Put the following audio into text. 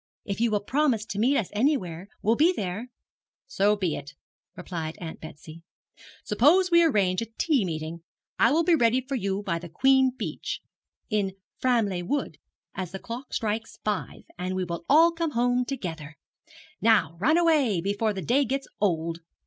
If you will promise to meet us anywhere, we'll be there.' 'So be it,' replied Aunt Betsy. 'Suppose we arrange a tea meeting. I will be ready for you by the Queen Beech, in Framleigh Wood, as the clock strikes five, and we will all come home together. And now run away, before the day gets old.